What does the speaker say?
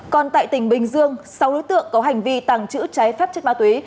còn tại tỉnh bình dương sáu đối tượng có hành vi tàng trữ trái phép chất ma túy